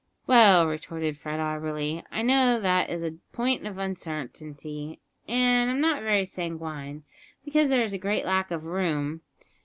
"Well," retorted Fred Auberly, "I know that is a point of uncertainty, and I'm not very sanguine, because there is great lack of room.